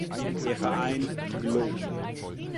Der Verein "glow.